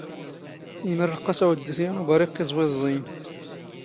ⵉⵎⵔⵔⵇ ⴰⵙ ⴰⵡⴷⴷⵉ ⵙ ⵢⴰⵏ ⵓⴱⴰⵔⵉⵇ ⵉⵥⵡⵉⵥⵥⵉⵢⵏ.